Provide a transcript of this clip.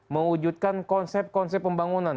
mewujudkan konsep konsep pembangunan